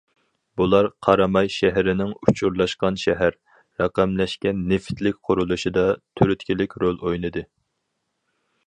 بۇلار قاراماي شەھىرىنىڭ ئۇچۇرلاشقان شەھەر، رەقەملەشكەن نېفىتلىك قۇرۇلۇشىدا تۈرتكىلىك رول ئوينىدى.